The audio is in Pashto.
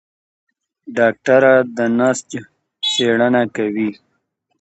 ډاکټره د نسج څېړنه کوي.